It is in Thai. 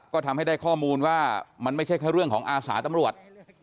ก็ทำให้ได้ข้อมูลว่ามันไม่ใช่แค่เรื่องของอาสาตำรวจ